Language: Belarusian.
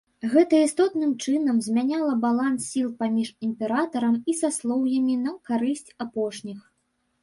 Гэта істотным чынам змяняла баланс сіл паміж імператарам і саслоўямі на карысць апошніх.